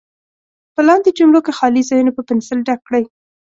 په لاندې جملو کې خالي ځایونه په پنسل ډک کړئ.